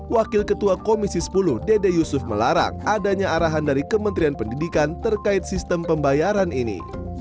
wakil ketua komisi sepuluh dede yusuf melarang adanya arahan dari kementerian pendidikan terkait sistem pembayaran ini